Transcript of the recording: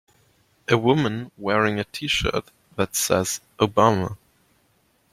a woman wearing a tshirt that says Obama